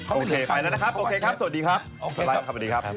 โอเคไปแล้วนะครับโอเคครับสวัสดีครับ